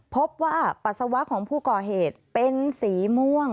พบว่าปัสสาวะของผู้ก่อเหตุเป็นสีม่วง